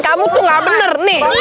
kamu tuh gak bener nih